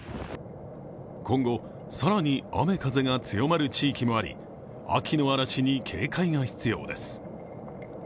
今後、更に雨・風が強まる地域もあり秋の嵐に警戒が必要です。